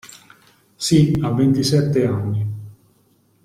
Sì, a ventisette anni.